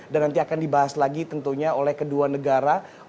dan nanti akan dibahas lagi tentunya oleh kedua negara